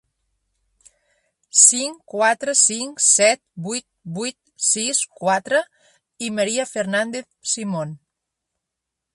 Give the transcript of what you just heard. Cinc quatre cinc set vuit vuit sis quatre i Maria Fernández Simón.